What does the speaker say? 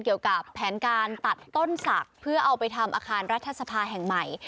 เกี่ยวกับแผนการตัดต้นศักดิ์เพื่อเอาไปทำอาคารรัฐสภาแห่งใหม่